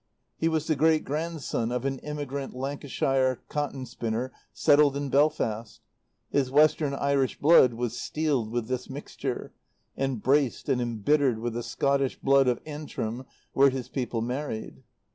He was the great grandson of an immigrant Lancashire cotton spinner settled in Belfast. His western Irish blood was steeled with this mixture, and braced and embittered with the Scottish blood of Antrim where his people married.